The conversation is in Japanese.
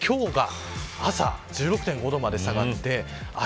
今日が朝１６．５度まで下がってあ